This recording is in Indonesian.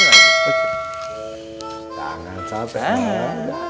jangan sampai jangan